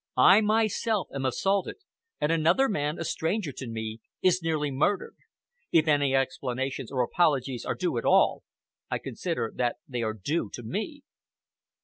I myself am assaulted, and another man, a stranger to me, is nearly murdered. If any explanations or apologies are due at all, I consider that they are due to me."